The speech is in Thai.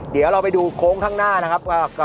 เดี๋ยวเราไปดูโค้งข้างหน้านะครับ